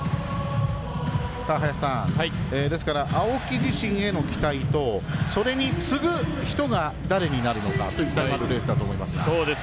林さん、青木自身への期待とそれに次ぐ人が誰になるのかといったレースだと思います。